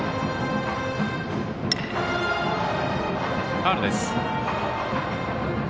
ファウルです。